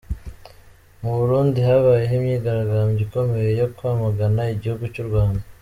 Mu Burundi habaye imyigaragambyo ikomeye yo kwamagana igihugu cy'u Rwanda.